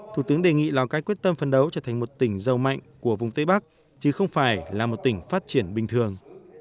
thủ tướng đề nghị lào cai quyết tâm phân đấu trở thành một tỉnh giàu mạnh của vùng tây bắc chứ không phải là một tỉnh phát triển bình thường